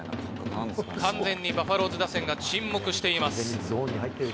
完全にバファローズ打線が沈黙しています。